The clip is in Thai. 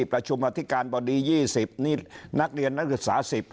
ประชุมอธิการบดี๒๐นี่นักเรียนนักศึกษา๑๐